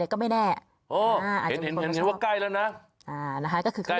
ก็ไม่แน่มาก